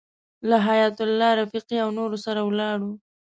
له حیایت الله رفیقي او نورو سره ولاړو.